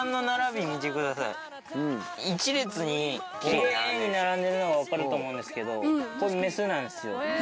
キレイに並んでるのが分かると思うんですけどこれメスなんですよ。